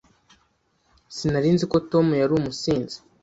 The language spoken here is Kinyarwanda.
Sinari nzi ko Tom yari umusinzi.